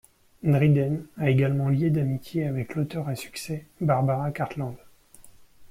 Dryden a également lié d'amitié avec l'auteur à succès Barbara Cartland.